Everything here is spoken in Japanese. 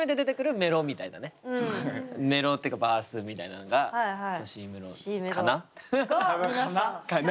メロっていうかバースみたいなのがＣメロかな？かな？